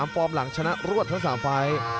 ฟอร์มหลังชนะรวดทั้ง๓ไฟล์